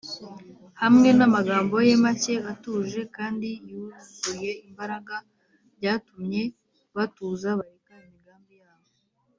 hamwe n’amagambo ye make atuje kandi yuzuye imbaraga, byatumye batuza, bareka imigambi yabo